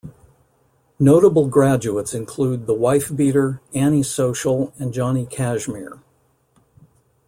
Notable graduates include The Wifebeater, Annie Social, and Johnny Kashmere.